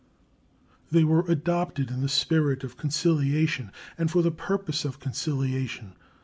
They were adopted in the spirit of conciliation and for the purpose of conciliation.